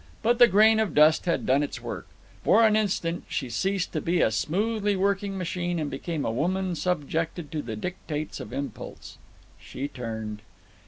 But the grain of dust had done its work. For an instant she ceased to be a smoothly working machine and became a woman subject to the dictates of impulse. She turned.